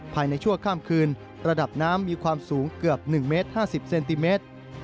ชั่วข้ามคืนระดับน้ำมีความสูงเกือบ๑เมตร๕๐เซนติเมตร